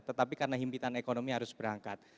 tetapi karena himpitan ekonomi harus berangkat